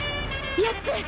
８つ。